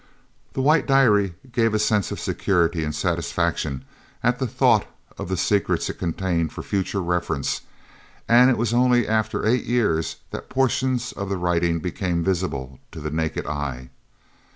The white diary gave a sense of security and satisfaction at the thought of the secrets it contained for future reference, and it was only after eight years that portions of the writing became visible to the naked eye.